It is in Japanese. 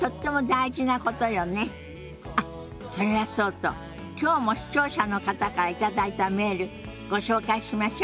あっそれはそうときょうも視聴者の方から頂いたメールご紹介しましょ。